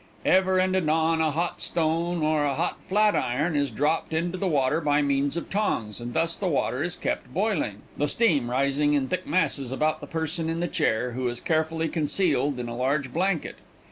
Ever and anon a hot stone or hot flat iron is dropped into the water by means of tongs, and thus the water is kept boiling, the steam rising in thick masses about the person in the chair, who is carefully concealed in a large blanket.